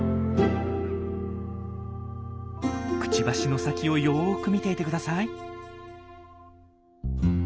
クチバシの先をよく見ていてください。